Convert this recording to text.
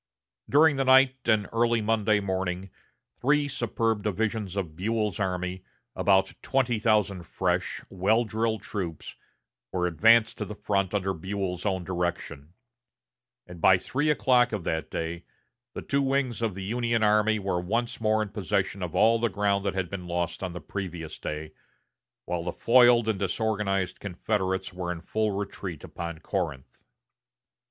During the night and early Monday morning three superb divisions of Buell's army, about twenty thousand fresh, well drilled troops, were advanced to the front under Buell's own direction; and by three o'clock of that day the two wings of the Union army were once more in possession of all the ground that had been lost on the previous day, while the foiled and disorganized Confederates were in full retreat upon Corinth.